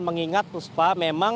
dan mengingat puspa memang